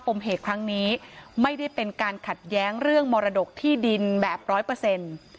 มเหตุครั้งนี้ไม่ได้เป็นการขัดแย้งเรื่องมรดกที่ดินแบบร้อยเปอร์เซ็นต์